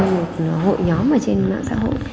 một hội nhóm ở trên mạng xã hội